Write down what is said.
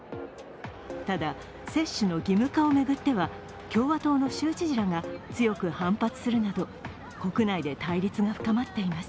ただ、接種の義務化を巡っては共和党の州知事らが強く反発するなど、国内で対立が深まっています。